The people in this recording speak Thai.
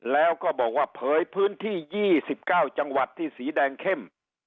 แล้วก็บอกว่าเผยพื้นที่๒๙จังหวัดที่สีแดงเข้ม